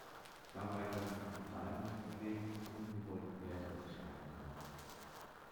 Dabei kann es mit dem Diamond-Problem zu ungewollten Mehrdeutigkeiten kommen.